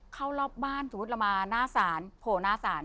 รอบบ้านสมมุติเรามาหน้าศาลโผล่หน้าศาล